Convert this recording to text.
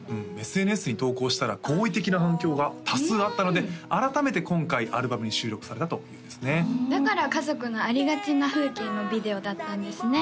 ＳＮＳに投稿したら好意的な反響が多数あったので改めて今回アルバムに収録されたというんですねだから家族のありがちな風景のビデオだったんですね